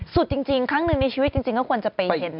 จริงครั้งหนึ่งในชีวิตจริงก็ควรจะไปเห็น